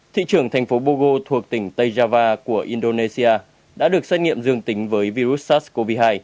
thị trường thành phố bogo thuộc tỉnh tejava của indonesia đã được xét nghiệm dương tính với virus sars cov hai